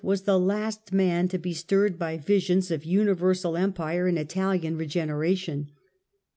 was the last man to be stirred by visions of universal Empire and Italian re generation.